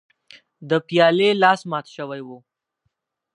د پیالې لاس مات شوی و.